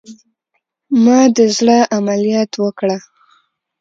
ما د زړه عملیات وکړه